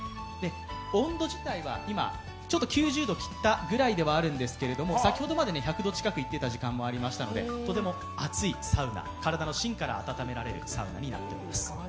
温度自体は今、ちょっと９０度切ったぐらいではあるんですけれども、先ほどまで１００度近くまでいっていた時間もありましたので、とても熱いサウナ、体の芯から温められるサウナになっています。